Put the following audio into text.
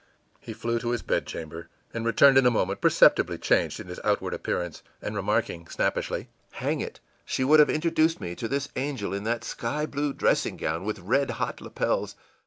î He flew to his bedchamber, and returned in a moment perceptibly changed in his outward appearance, and remarking, snappishly: ìHang it, she would have introduced me to this angel in that sky blue dressing gown with red hot lapels!